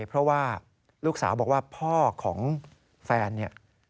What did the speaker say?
เพราะว่าลูกสาวบอกว่าพ่อของแฟนเนี่ย